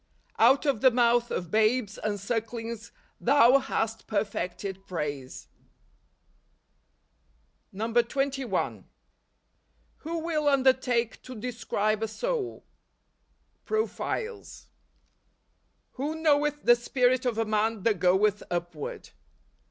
" Out of the mouth of babes and sucklings thou hast perfected praise ." 21. Who will undertake to describe a soul ? Profiles. " TT7io knoweth the spirit of a man that goeth upward